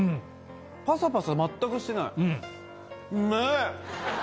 パサパサ全くしてないうめぇ！